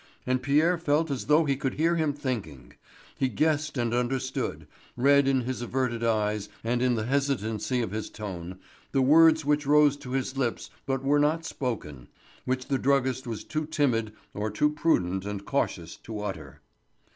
And Pierre felt as though he could hear him thinking; he guessed and understood, read in his averted eyes and in the hesitancy of his tone, the words which rose to his lips but were not spoken—which the druggist was too timid or too prudent and cautious to utter.